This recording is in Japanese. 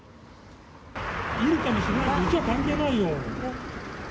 いるかもしれないけど、うちは関係ないよ！